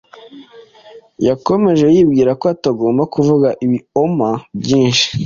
Yakomeje yibwira ko atagomba kuvuga ibioma byinshi.